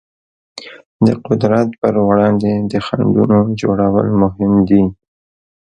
د قدرت پر وړاندې د خنډونو جوړول مهم دي.